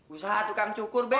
usaha tukang cukur be